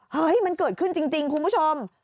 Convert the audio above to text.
เฮ้ยมันเกิดขึ้นจริงคุณผู้ชม